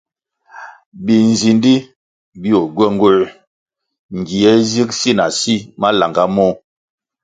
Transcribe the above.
Binzindi bio gywenguer ngie zig si na si malanga môh.